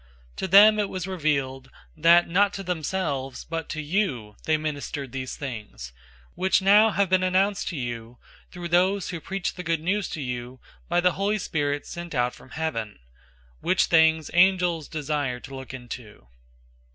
001:012 To them it was revealed, that not to themselves, but to you, they ministered these things, which now have been announced to you through those who preached the Good News to you by the Holy Spirit sent out from heaven; which things angels desire to look into.